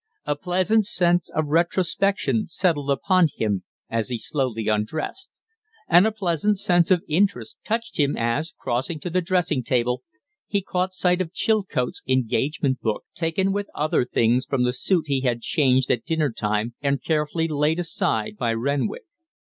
A pleasant sense of retrospection settled upon him as he slowly undressed; and a pleasant sense of interest touched him as, crossing to the dressing table, he caught sight of Chilcote's engagement book taken with other things from the suit he had changed at dinner time and carefully laid aside by Renwick.